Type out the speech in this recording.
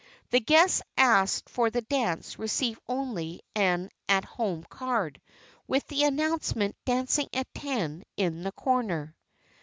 The guests asked for the dance receive only an "At Home" card, with the announcement "Dancing at ten" in the corner.